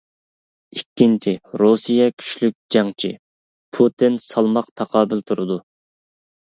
ئىككىنچى: رۇسىيە كۈچلۈك جەڭچى، پۇتىن سالماق تاقابىل تۇرىدۇ!